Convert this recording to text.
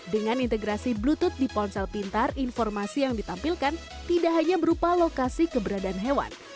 dengan integrasi bluetooth di ponsel pintar informasi yang ditampilkan tidak hanya berupa lokasi keberadaan hewan